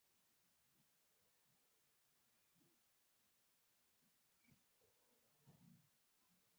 اعراض يا مخ ګرځول اور مړ کوي.